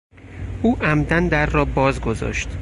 او عمدا در را باز گذاشت.